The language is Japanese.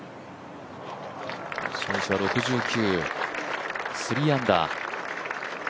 初日は６９、３アンダー。